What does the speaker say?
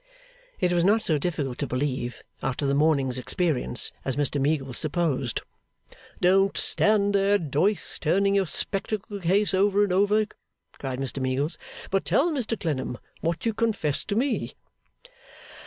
It was not so difficult to believe, after the morning's experience, as Mr Meagles supposed. 'Don't stand there, Doyce, turning your spectacle case over and over,' cried Mr Meagles, 'but tell Mr Clennam what you confessed to me.